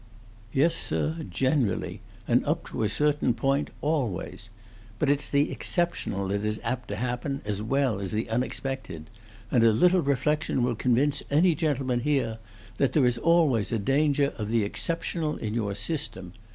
"Yes, sir, generally; and up to a certain point, always. But it's the exceptional that is apt to happen, as well as the unexpected. And a little reflection will convince any gentleman here that there is always a danger of the exceptional in your system.